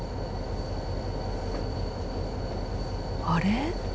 あれ？